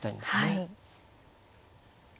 はい。